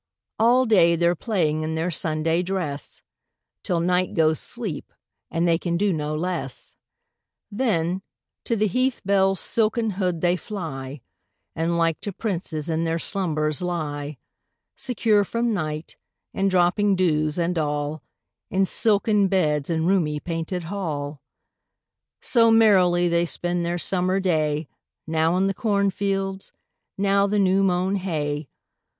All day they're playing in their Sunday dress Till night goes sleep, and they can do no less; Then, to the heath bell's silken hood they fly, And like to princes in their slumbers lie, Secure from night, and dropping dews, and all, In silken beds and roomy painted hall. So merrily they spend their summer day, Now in the cornfields, now the new mown hay.